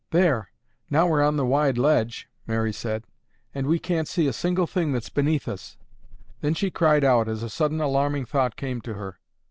"There, now we're on the wide ledge," Mary said, "and we can't see a single thing that's beneath us." Then she cried out as a sudden alarming thought came to her.